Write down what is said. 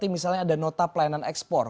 misalnya ada nota pelayanan ekspor